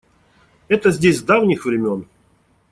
Это здесь с давних времён.